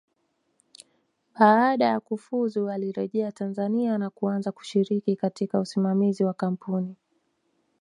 Baada ya kufuzu alirejea Tanzania na kuanza kushiriki katika usimamizi wa kampuni